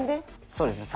そうですね。